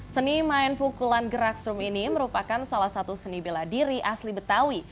seni main pukulan gerak strum ini merupakan salah satu seni bela diri asli betawi